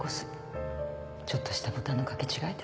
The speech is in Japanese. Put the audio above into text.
ちょっとしたボタンの掛け違いで。